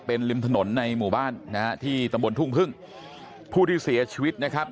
เป็นริมถนนในหมู่บ้านนะฮะที่ตำบลทุ่งพึ่งผู้ที่เสียชีวิตนะครับ